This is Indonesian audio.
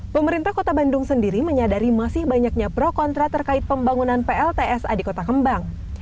pemerintah kota bandung sendiri menyadari masih banyaknya pro kontra terkait pembangunan pltsa di kota kembang